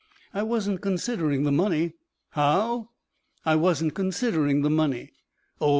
"I wasn't considering the money " "How?" "I wasn't considering the money." "Oh!